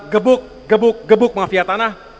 gebuk gebuk gebuk mafia tanah